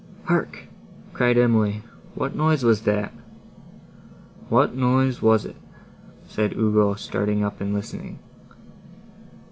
"Hark!" cried Emily, "what noise was that?" "What noise was it?" said Ugo, starting up and listening.